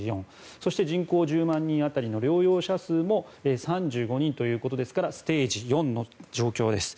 そして人口１０万人当たりの療養者数も３５人ということですからステージ４の状況です。